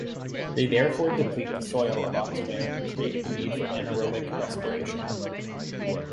They therefore deplete the soil of oxygen and create the need for anaerobic respiration.